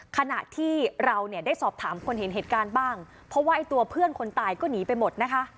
ขณะที่เราเนี่ยได้สอบถามคนเห็นเหตุการณ์บ้างเพราะว่าไอ้ตัวเพื่อนคนตายก็หนีไปหมดนะคะ